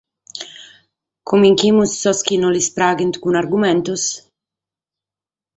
Cumbinchimus sos chi no lis praghent cun argumentos?